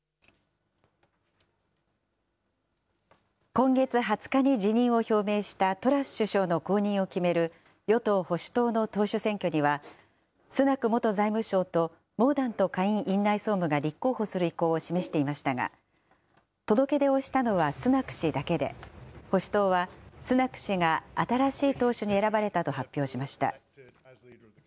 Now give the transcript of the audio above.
今月２０日に辞任を表明したトラス首相の後任を決める与党・保守党の党首選挙には、スナク元財務相とモーダント下院院内総務が立候補する意向を示していましたが、届け出をしたのはスナク氏だけで、保守党はスナク氏が新しい党首に選ばれたと発表しました。